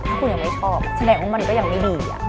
แสดงว่ามันก็ยังไม่ดีอะ